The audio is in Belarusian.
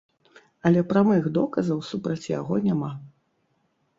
Але прамых доказаў супраць яго няма.